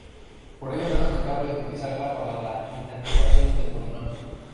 Por ello no es aconsejable utilizarla para la interpolación de polinomios.